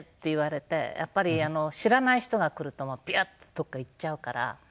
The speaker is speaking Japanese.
やっぱり知らない人が来るともうビュッてどこか行っちゃうから。